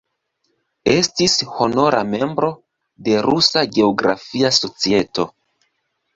Estis honora membro de Rusa Geografia Societo.